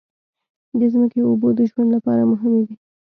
د ځمکې اوبو د ژوند لپاره مهمې دي.